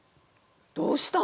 どうしたん！？